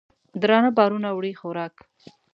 درانه بارونه وړي خوراک